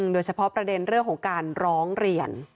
โดยเฉพาะประเด็นเรื่องของการร้องเรียน